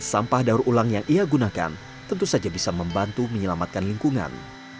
sampah daur ulang yang ia gunakan tentu saja bisa membantu menyelamatkan lingkungan